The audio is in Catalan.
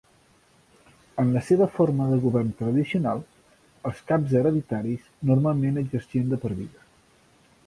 En la seva forma de govern tradicional, els caps hereditaris normalment exercien de per vida.